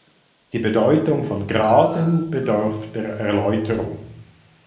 Die Bedeutung von „grasen“ bedarf der Erläuterung.